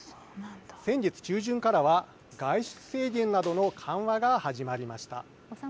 先月中旬からは外出制限などの緩和が始まりました。